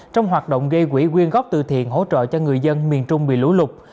trong hoạt động gây quỹ quyên góp tự thiện hỗ trợ cho người dân miền trung bị lũ lục